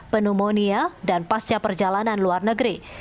pneumonia dan pasca perjalanan luar negeri